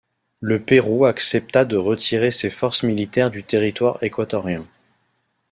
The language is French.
Le Pérou accepta de retirer ses forces militaires du territoire équatorien.